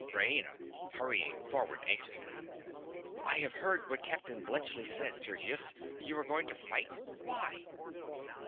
RAINA. (hurrying forward anxiously). I have heard what Captain Bluntschli said, Sergius. You are going to fight. Why?